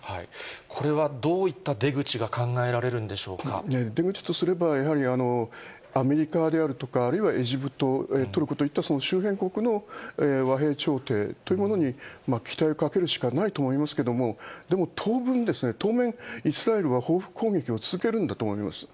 これはどういった出口が考え出口とすれば、やはりアメリカであるとか、あるいはエジプト、トルコといった周辺国の和平調停というものに期待をかけるしかないと思いますけれども、でも、当分、当面、イスラエルは報復攻撃を続けるんだと思います。